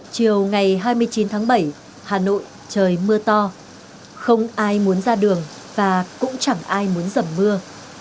chiều ngày hai mươi chín tháng bảy hà nội trời mưa to không ai muốn ra đường và cũng chẳng ai muốn dầm mưa